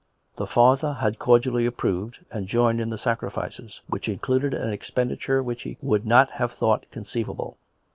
The father had cordially approved, and joined in the sacrifices, which in cluded an expenditure which he would not have thought conceivable.